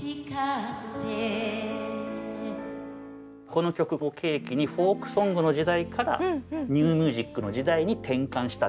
この曲を契機にフォークソングの時代からニューミュージックの時代に転換したっていう感じもあります。